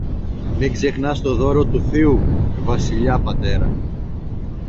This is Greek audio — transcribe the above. Μην ξεχνάς το δώρο του θείου Βασιλιά, πατέρα